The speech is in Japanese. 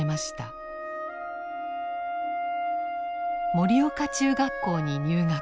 盛岡中学校に入学。